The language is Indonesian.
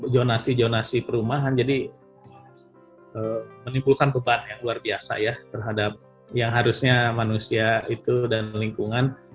jonasi zonasi perumahan jadi menimbulkan beban yang luar biasa ya terhadap yang harusnya manusia itu dan lingkungan